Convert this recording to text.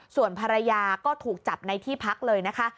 ส่วนภรรยาก็ถูกจับในที่พักเลยนะคะ